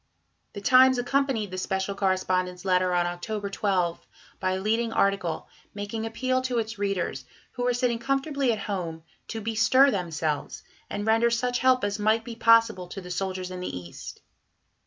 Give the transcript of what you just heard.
The Times accompanied the "Special Correspondent's" letter on October 12 by a leading article, making appeal to its readers, who were sitting comfortably at home, to bestir themselves, and render such help as might be possible to the soldiers in the East.